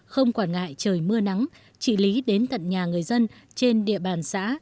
không quản ngại trời mưa nắng chị lý đến tận nhà người dân trên địa bàn xã